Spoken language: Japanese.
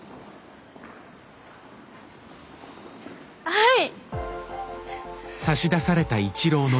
はい！